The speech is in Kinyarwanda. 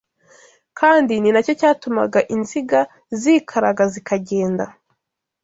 kandi ni na cyo cyatumaga inziga zikaraga zikagenda.